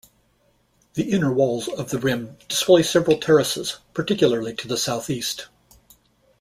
The inner walls of the rim display several terraces, particularly to the southeast.